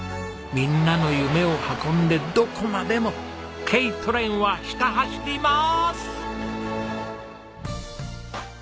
みんなの夢を運んでどこまでもＫトレインはひた走ります！